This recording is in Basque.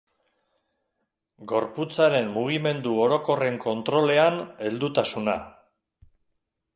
Gorputzaren mugimendu orokorren kontrolean heldutasuna.